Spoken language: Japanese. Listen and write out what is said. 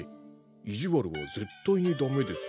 意地悪は絶対にダメですよ」。